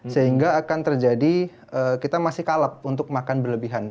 sehingga akan terjadi kita masih kalap untuk makan berlebihan